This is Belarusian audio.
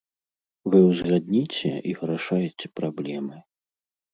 Вы ўзгадніце, і вырашайце праблемы.